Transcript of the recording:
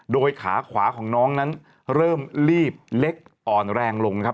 โดยขาขวาของน้องนั้นเริ่มลีบเล็กอ่อนแรงลงครับ